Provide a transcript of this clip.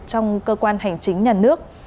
trong cơ quan hành chính nhà nước